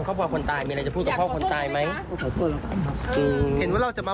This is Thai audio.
คุยกับแม่ของคนตายอะค่ะ